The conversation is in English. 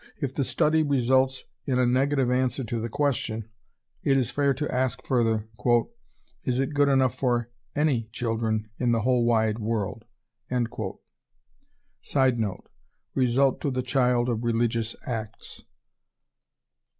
If the study results in a negative answer to the question, it is fair to ask further, "Is it good enough for any children in the whole wide world?" [Sidenote: Result to the child of religious acts.